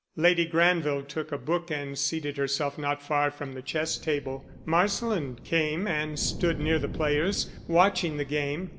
Lady Granville took a book and seated herself not far from the chess table. Marsland came and stood near the players, watching the game.